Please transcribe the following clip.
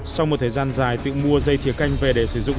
sau một thời gian dài tự mua dây thiều canh về để sử dụng